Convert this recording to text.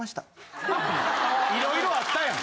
いろいろあったやん！